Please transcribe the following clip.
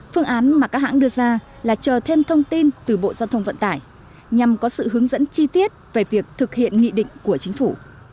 phương án mà các hãng đưa ra là chờ thêm thông tin từ bộ giao thông vận tải nhằm có sự hướng dẫn chi tiết về việc thực hiện nghị định của chính phủ